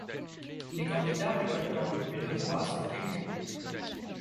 Les candidats récoltant le plus de voix sont élus.